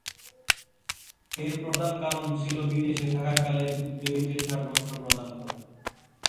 এর প্রধান কারণ ছিল বিদেশে থাকাকালে দেরীতে ছাড়পত্র প্রদান করা।